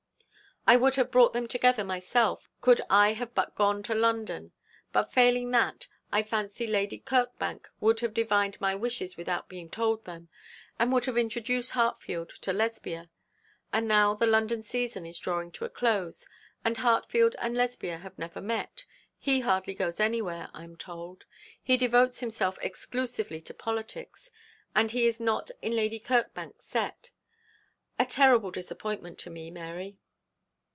I would have brought them together myself, could I have but gone to London; but, failing that, I fancied Lady Kirkbank would have divined my wishes without being told them, and would have introduced Hartfield to Lesbia; and now the London season is drawing to a close, and Hartfield and Lesbia have never met. He hardly goes anywhere, I am told. He devotes himself exclusively to politics; and he is not in Lady Kirkbank's set. A terrible disappointment to me, Mary!'